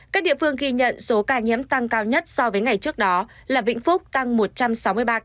các địa phương ghi nhận số ca nhiễm tăng cao nhất so với ngày trước đó là vĩnh phúc tăng một trăm sáu mươi ba ca